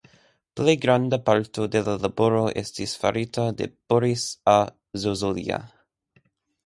Plej granda parto de la laboro estis farita de Boris A. Zozulja.